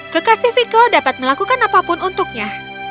kekasih viko dapat melakukan apapun untuknya